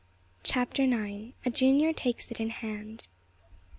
CHAPTER IX. A JUNIOR TAKES IT IN HAND.